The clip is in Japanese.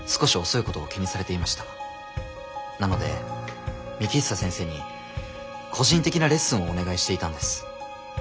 なので幹久先生に個人的なレッスンをお願いしていたんです。